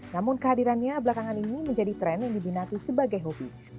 namun kehadirannya belakangan ini menjadi tren yang dibinati sebagai hobi